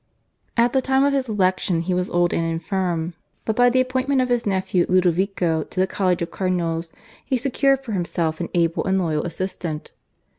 At the time of his election he was old and infirm, but by the appointment of his nephew Ludovico to the college of cardinals he secured for himself an able and loyal assistant.